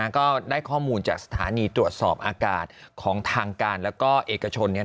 ก็ได้ข้อมูลจากสถานีตรวจสอบอากาศของทางการแล้วก็เอกชน